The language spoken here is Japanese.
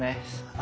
あ。